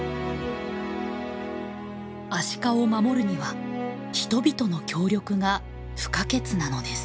アシカを守るには人々の協力が不可欠なのです。